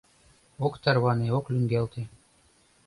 Ок тарване, ок лӱҥгалте.